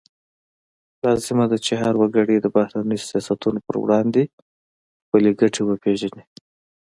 لازمه ده چې هر وګړی د بهرني سیاستونو پر وړاندې خپلې ګټې وپیژني